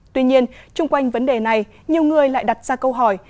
tuy nhiên trung quanh vấn đề này nhiều người lại đặt ra câu hỏi